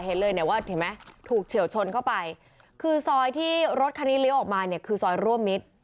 เห็นเลยเนี่ยว่าเห็นไหมถูกเฉียวชนเข้าไปคือซอยที่รถคันนี้เลี้ยวออกมาเนี่ยคือซอยร่วมมิตร